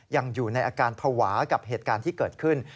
ยังอยู่ในอาการภาวะกับเหตุการณ์ที่เกิดขึ้น